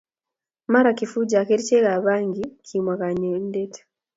Mara Kifuja ak kerichekab bangi kimwa konyoindet